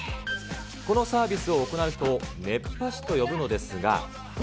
このサービスを行う人を熱波師と呼ぶのですが。